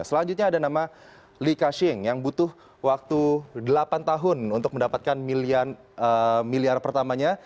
selanjutnya ada nama lika shing yang butuh waktu delapan tahun untuk mendapatkan miliar pertamanya